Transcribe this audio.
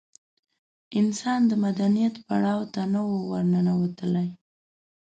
انسانان د مدنیت پړاو ته نه وو ورننوتلي.